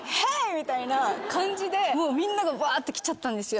みたいな感じでみんながわって来ちゃったんですよ。